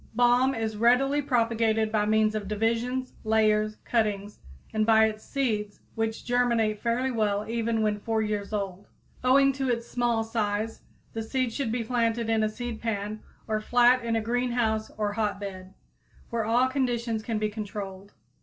_ Balm is readily propagated by means of divisions, layers, cuttings, and by its seeds, which germinate fairly well even when four years old. Owing to its small size, the seed should be planted in a seedpan or flat in a greenhouse or hotbed, where all conditions can be controlled.